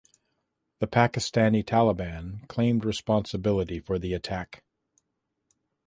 The Pakistani Taliban claimed responsibility for the attack.